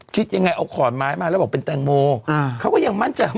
คิดยังไงเอาขอนไม้มาแล้วบอกเป็นแตงโมอ่าเขาก็ยังมั่นใจว่า